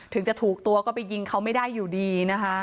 ถึงจะถูกตัวก็ไปยิงเขาไม่ได้อยู่ดีนะคะ